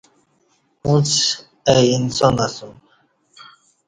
اُݩڅ اہ انسان اسوم